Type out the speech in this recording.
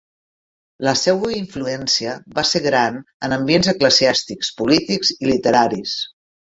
La seua influència va ser gran en ambients eclesiàstics, polítics i literaris.